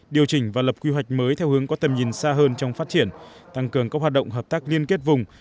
điều chỉnh và lập quy hoạch mới theo hướng có tầm nhìn xa hơn trong phát triển tăng cường các hoạt động hợp tác liên kết vùng